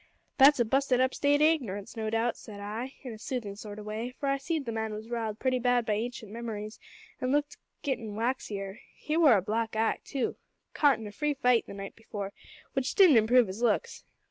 "`That's a busted up state o' ignorance, no doubt' said I, in a soothin' sort o' way, for I see'd the man was riled pretty bad by ancient memories, an' looked gittin' waxier. He wore a black eye, too, caught in a free fight the night before, which didn't improve his looks.